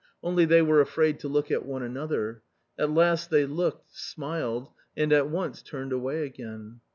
Only they were afraid to look at one another ; at last they looked, smiled, and at once turned away again.